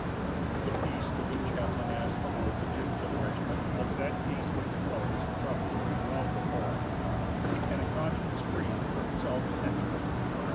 The peace the good chaplain asked the Lord to give to the regiment was that peace which flows from duty well performed and a conscience free from self censure.